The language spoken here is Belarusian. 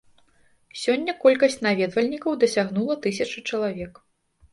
Сёння колькасць наведвальнікаў дасягнула тысячы чалавек.